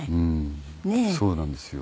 そうなんですよ。